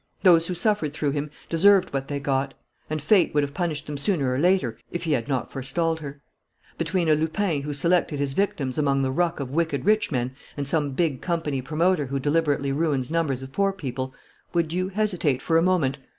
Those who suffered through him deserved what they got; and fate would have punished them sooner or later if he had not forestalled her. Between a Lupin who selected his victims among the ruck of wicked rich men and some big company promoter who deliberately ruins numbers of poor people, would you hesitate for a moment?